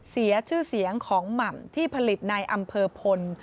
เสียชื่อเสียงของหม่ำที่ผลิตในอำเภอพล